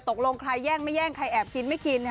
ตกลงใครแย่งไม่แย่งใครแอบกินไม่กิน